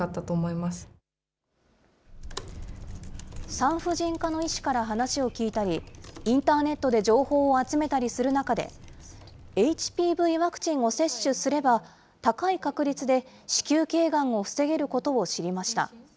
産婦人科の医師から話を聞いたり、インターネットで情報を集めたりする中で、ＨＰＶワクチンを接種すれば、高い確率で子宮けいがんを防げることを知りました。